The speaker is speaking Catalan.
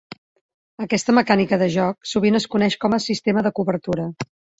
Aquesta mecànica de joc sovint es coneix com a "sistema de cobertura".